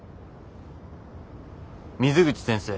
水口先生